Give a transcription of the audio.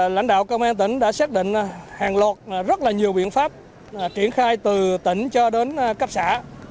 lãnh đạo công an tỉnh đã xác định hàng lột rất là nhiều biện pháp triển khai từ tỉnh cho đến cấp xã